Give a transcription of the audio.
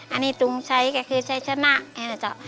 อันนี้ทุ่งใช้ก็คือใช้ชะนักนะจ๊ะ